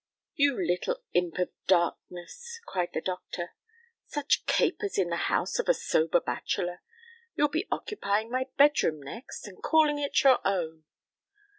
"You little imp of darkness!" cried the doctor. "Such capers in the house of a sober bachelor! You'll be occupying my bedroom next and calling it your own."